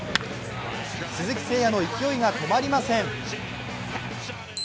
鈴木誠也の勢いが止まりません。